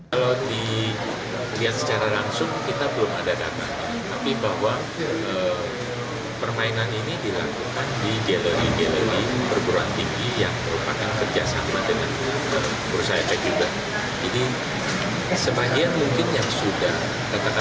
kalau dilihat secara langsung kita belum ada data